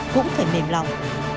cũng phải mềm lòng